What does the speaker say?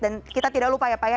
dan kita tidak lupa ya pak ya